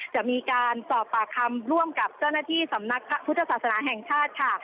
จะมีการสอบปากคำร่วมกับเจ้าหน้าที่สำนักพุทธศาสนาแห่งชาติค่ะ